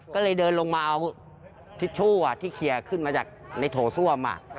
ก็เลยเดินลงมาเอาทิชชู่ที่เคลียร์ขึ้นมาจากในโถส้วม